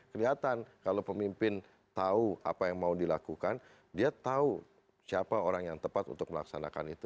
kelihatan kalau pemimpin tahu apa yang mau dilakukan dia tahu siapa orang yang tepat untuk melaksanakan itu